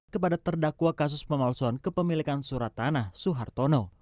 kepada terdakwa kasus pemalsuan kepemilikan surat tanah suhartono